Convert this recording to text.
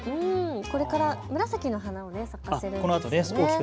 これから紫の花を咲かせるんですね。